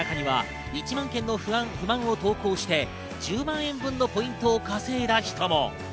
中には１万件の不満を投稿して１０万円分のポイントを稼いだ人も。